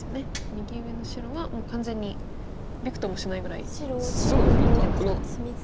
右上の白はもう完全にびくともしないぐらい生きてますか。